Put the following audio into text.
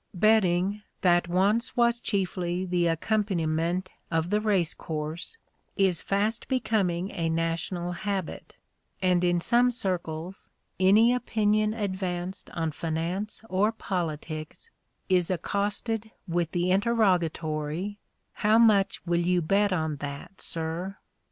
Betting, that once was chiefly the accompaniment of the race course, is fast becoming a national habit, and in some circles any opinion advanced on finance or politics is accosted with the interrogatory "How much will you bet on that, sir?"